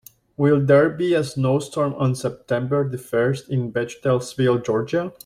Will there be a snowstorm on september the first in Bechtelsville Georgia?